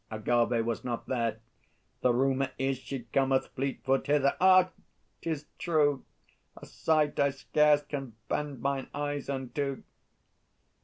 Agâvê was not there. The rumour is She cometh fleet foot hither. Ah! 'Tis true; A sight I scarce can bend mine eyes unto.